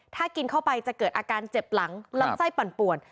ถ้ากินเข้าไปจะเกิดอาการเจ็บหลังลำไส้ปั่นป่วน